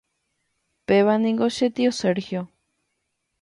Péva ningo che tio Sergio.